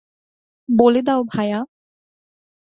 বলে দাও, ভায়া!